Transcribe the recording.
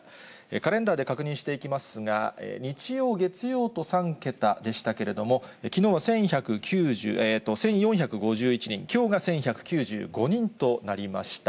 カレンダーで確認していきますが、日曜、月曜と３桁でしたけれども、きのうは１４５１人、きょうが１１９５人となりました。